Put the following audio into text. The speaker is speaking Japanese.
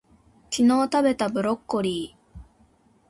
昨日たべたブロッコリー